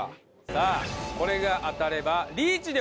さあこれが当たればリーチでございます。